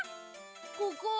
ここは？